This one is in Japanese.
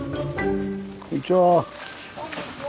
こんにちは。